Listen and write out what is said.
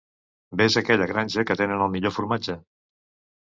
Ves a aquella granja, que tenen el millor formatge.